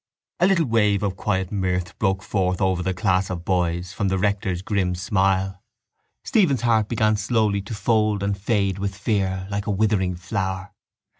A little wave of quiet mirth broke forth over the class of boys from the rector's grim smile. Stephen's heart began slowly to fold and fade with fear like a withering flower.